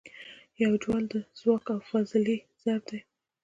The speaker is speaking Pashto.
یو جول د ځواک او فاصلې ضرب دی.